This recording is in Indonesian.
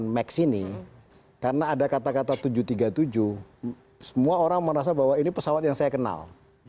max ini karena ada kata kata tujuh ratus tiga puluh tujuh semua orang merasa bahwa ini pesawat yang saya kenal